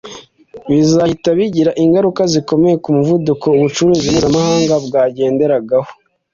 bizahita bigira ingaruka zikomeye ku muvuduko ubucuruzi mpuzamahanga bwagenderagaho